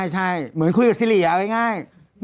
ใช่เหมือนคุยกับซิริเอาง่าย